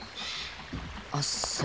あっそれ